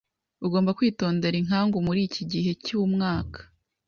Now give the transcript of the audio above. Ugomba kwitondera inkangu muri iki gihe cyumwaka.